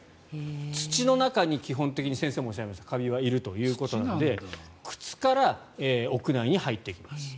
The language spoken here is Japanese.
土の中に基本的に先生もおっしゃいましたがカビはいるということなので靴から屋内に入ってきます。